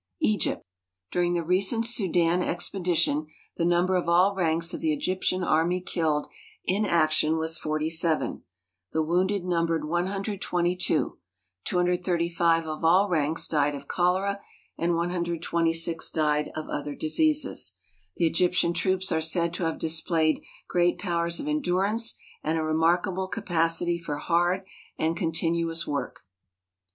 Egypt. During the recent Sudan expedition the number of all ranks of the Egyptian army killed in action was 47 ; the wounded numbered 122 ; 235 of all ranks died of cholera, and 126 died of other diseases. The Egyptian troops are said to have displayed great powers of endurance and a remarkable capacity for hard and continuous work.